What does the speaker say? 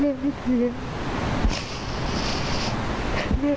แม่ขอโทษจริงนะลูก